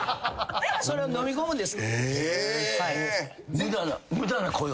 それをのみ込むんです。